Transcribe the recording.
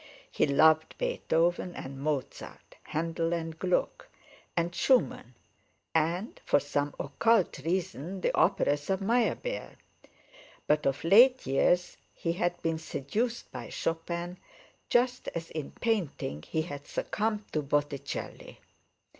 He loved Beethoven and Mozart, Handel and Gluck, and Schumann, and, for some occult reason, the operas of Meyerbeer; but of late years he had been seduced by Chopin, just as in painting he had succumbed to Botticelli.